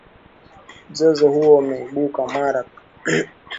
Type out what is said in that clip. mzozo huo umeibuka mara baada ya rais kibaki kuwateuwa maofisa wanne